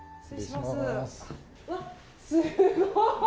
すごい！